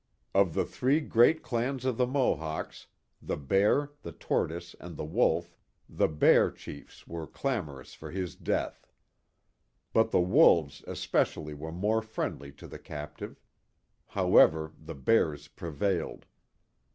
Of the three great clans of the Mohawks, the Bear, the Tortoise, and the Wolf, the Bear chiefs were clamorous for his death, but the Wolves especially were more friendly to the captive. However, the Bears prevailed.